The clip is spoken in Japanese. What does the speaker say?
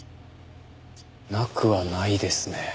なくはないですね。